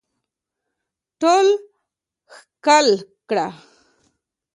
ټول ښکل کړه